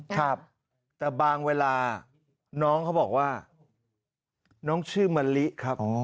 ครับแต่บางเวลาน้องเขาบอกว่าน้องชื่อมะลิครับ